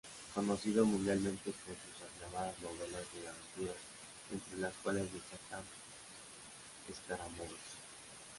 Conocido mundialmente por sus aclamadas novelas de aventuras, entre las cuales destaca "Scaramouche".